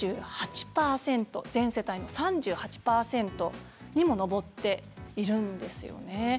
全世帯の３８％にも上っているんですよね。